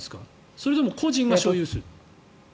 それとも個人が所有する？